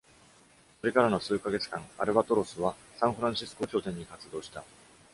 それからの数ヶ月間、「アルバトロス」はサンフランシスコを拠点に活動した。